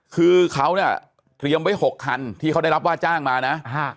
คือเขาเนี่ยเตรียมไว้๖คันที่เขาได้รับว่าจ้างมานะ